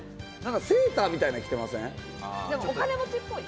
セーターみたいなの着てません？